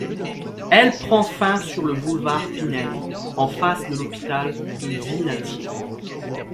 Elle prend fin sur le boulevard Pinel, en face de l'hôpital du Vinatier.